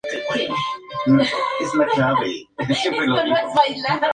Esta torre ocupa aproximadamente la cuarta parte de todo el conjunto.